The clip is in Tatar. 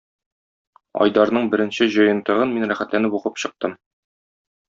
Айдарның беренче җыентыгын мин рәхәтләнеп укып чыктым.